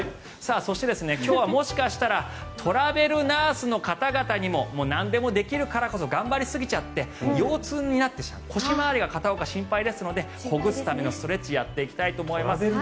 そして今日はもしかしたらトラベルナースの方々にもなんでもできるからこそ頑張りすぎちゃって腰痛になってしまう腰回りが、片岡心配ですのでほぐすためのストレッチやっていきたいと思います。